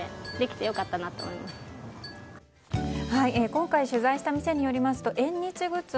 今回取材した店によりますと縁日グッズ